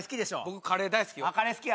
僕カレー大好きよ